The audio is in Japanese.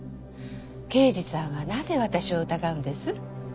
刑事さんはなぜ私を疑うんです？